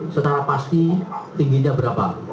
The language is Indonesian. secara pasti tingginya berapa